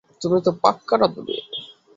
তুমি তো পাক্কা রাঁধুনি।